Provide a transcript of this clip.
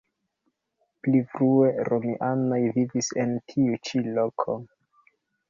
Pli frue romianoj vivis en tiu ĉi loko.